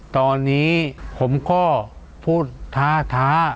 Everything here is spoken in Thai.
ตอนนี้ผมก็พูดท้า